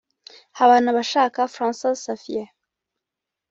Habanabashaka François Xavier